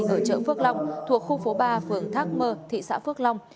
ở chợ phước long thuộc khu phố ba phường thác mơ thị xã phước long